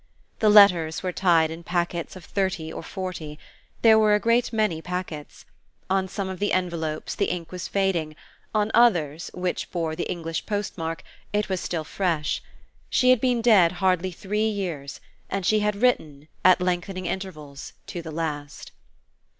The letters were tied in packets of thirty or forty. There were a great many packets. On some of the envelopes the ink was fading; on others, which bore the English post mark, it was still fresh. She had been dead hardly three years, and she had written, at lengthening intervals, to the last....